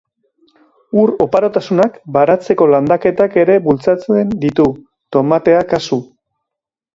Ur oparotasunak baratzeko landaketak ere bultzatzen ditu, tomatea kasu.